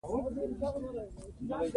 ژورې سرچینې د افغانانو د تفریح یوه وسیله ده.